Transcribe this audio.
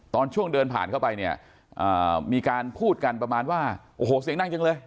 ตอนช่วงเดินผ่านเข้าไปเนี่ยมีการพูดกันประมาณว่าโอ้โหเสียงดังจังเลย